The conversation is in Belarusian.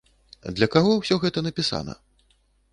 Для каго ўсё гэта напісана?